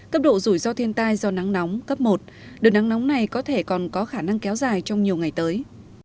cấp độ rủi ro thiên tai do nắng nóng cấp một đợt nắng nóng này có thể còn có khả năng kéo dài trong nhiều ngày tới